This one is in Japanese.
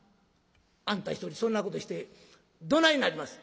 「あんた一人そんなことしてどないなります？」。